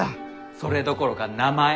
それどころか名前！